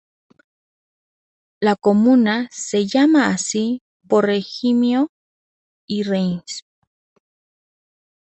La comuna se llama así por Remigio de Reims.